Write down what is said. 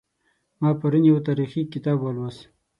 ما پرون یو تاریخي کتاب ولوست